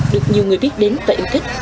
được nhiều người biết đến và yêu thích